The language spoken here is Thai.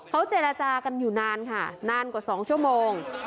เขาเจรจากันอยู่นานค่ะนานกว่า๒ชั่วโมง